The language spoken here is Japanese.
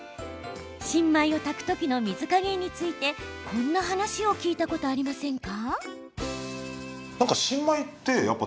新米を炊く時の水加減についてこんな話を聞いたことありませんか？